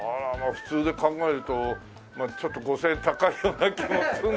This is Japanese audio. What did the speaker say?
普通で考えるとちょっと５０００円高いような気もするんだけどさ。